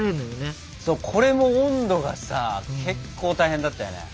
これも温度がさ結構大変だったよね。